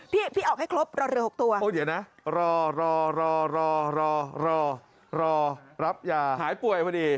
พี่ออกให้ครบรอเรือ๖ตัว